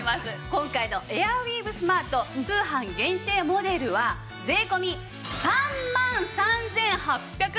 今回のエアウィーヴスマート通販限定モデルは税込３万３８８０円です。